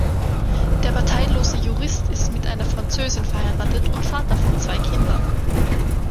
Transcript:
Der parteilose Jurist ist mit einer Französin verheiratet und Vater von zwei Kindern.